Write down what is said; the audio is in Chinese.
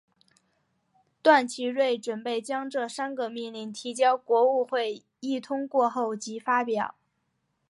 段祺瑞准备将这三个命令提交国务会议通过后即发表。